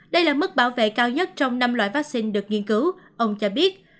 đây là mức bảo vệ cao nhất trong năm loại vaccine được nghiên cứu ông cho biết